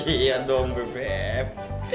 iya dong bebek